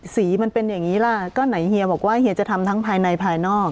สีมันเป็นอย่างนี้ล่ะก็ไหนเฮียบอกว่าเฮียจะทำทั้งภายในภายนอก